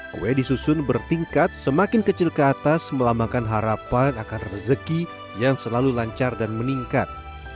kue disusun bertingkat semakin kecil ke atas melambangkan harapan akan rezeki yang selalu lancar dan meningkat